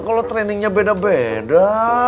kalau trainingnya beda beda